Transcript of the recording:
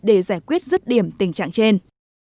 để giải quyết dứt điểm tình trạng trên